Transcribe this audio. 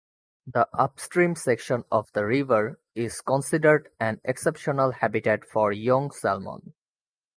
The upstream section of the river is considered an exceptional habitat for young salmon.